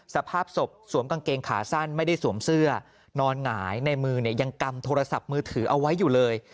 สภาพศพสวมกางเกงขาสั้นไม่ได้สวมเสื้อนอนหงายในมือเนี่ยยังกำโทรศัพท์มือถือเอาไว้อยู่เลย